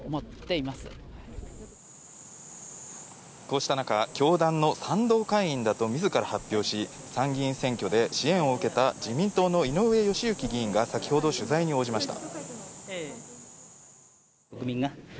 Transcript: こうした中、教団の賛同会員だと自ら発表し、参議院選挙で支援を受けた自民党の井上義行議員が先ほど取材に応じました。